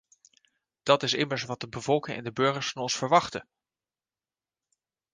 Dat is immers wat de bevolking en de burgers van ons verwachten!